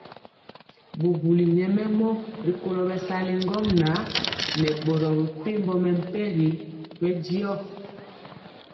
Bubuli nyɛmemɔ rikolo bɛsali ŋgomnaŋ nɛ boro mepempɔ mɛmpegi bɛndiɔ.